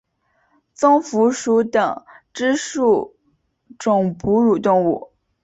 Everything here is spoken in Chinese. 棕蝠属等之数种哺乳动物。